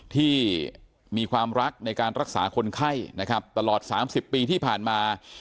ที่มีความรักในการรักษาคนไข้นะครับตลอด๓๐ปีที่ผ่านมา